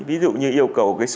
ví dụ như yêu cầu cái số